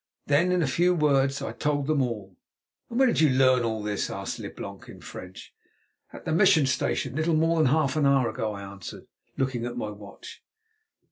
Then in a few words I told them all. "And when did you learn all this?" asked Leblanc in French. "At the Mission Station a little more than half an hour ago," I answered, looking at my watch.